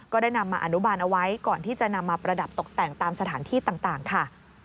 ได้นำมาอนุบาลเอาไว้ก่อนที่จะนำมาประดับตกแต่งตามสถานที่ต่างค่ะ